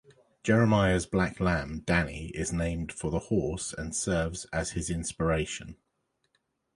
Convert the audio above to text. Jeremiah's black lamb, Danny, is named for the horse and serves as his inspiration.